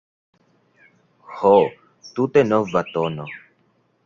Ho, tute nova tono!